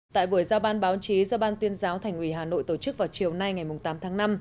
tại buổi giao ban báo chí do ban tuyên giáo thành ủy hà nội tổ chức vào chiều nay ngày tám tháng năm